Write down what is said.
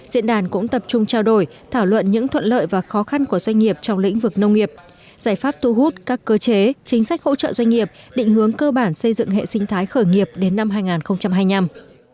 diễn đàn cũng tập trung trao đổi thảo luận những thuận lợi và khó khăn của doanh nghiệp trong lĩnh vực nông nghiệp giải pháp tu hút các cơ chế chính sách hỗ trợ doanh nghiệp định hướng cơ bản xây dựng hệ sinh thái khởi nghiệp đến năm hai nghìn hai mươi năm